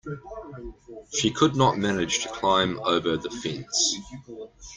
She could not manage to climb over the fence.